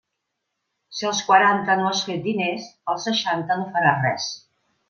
Si als quaranta no has fet diners, als seixanta no faràs res.